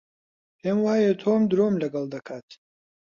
پێم وایە تۆم درۆم لەگەڵ دەکات.